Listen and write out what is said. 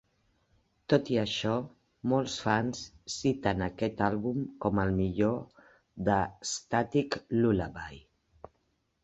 Tot i això, molts fans citen aquest àlbum com el millor d'A Static Lullaby.